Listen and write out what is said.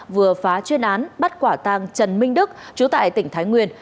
vừa phá chuyên án bắt quả tàng trần minh đức chú tại tỉnh thái nguyên